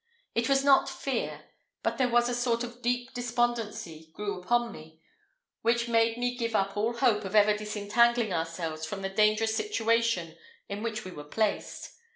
It was not fear: but there was a sort of deep despondency grew upon me, which made me give up all hope of ever disentangling ourselves from the dangerous situation in which we were placed.